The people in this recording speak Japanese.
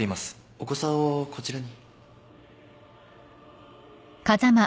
お子さんをこちらに。